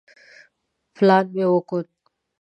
پلان مې وکوت.